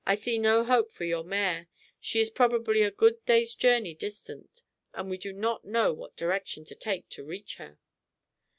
"I see no hope for your mare. She is probably a good day's journey distant, and we do not know what direction to take to reach her."